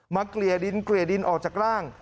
มาเกลียดินออกจากร่าง